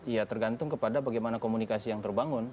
ya tergantung kepada bagaimana komunikasi yang terbangun